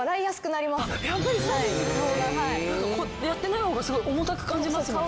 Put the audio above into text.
なんかやってない方がすごい重たく感じますもん。